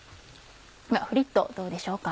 フリットどうでしょうか？